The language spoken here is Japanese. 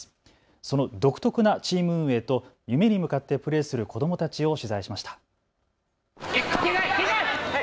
その独特なチーム運営と夢に向かってプレーする子どもたちを取材しました。